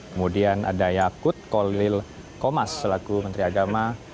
kemudian ada yakut kolil komas selaku menteri agama